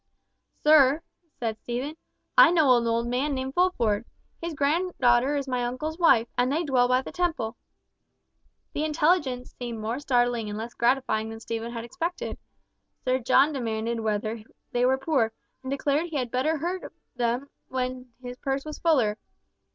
"Sir," said Stephen, "I know an old man named Fulford. His granddaughter is my uncle's wife, and they dwell by the Temple." The intelligence seemed more startling and less gratifying than Stephen had expected. Sir John demanded whether they were poor, and declared that he had better have heard of them when his purse was fuller.